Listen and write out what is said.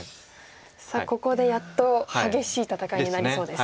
さあここでやっと激しい戦いになりそうです。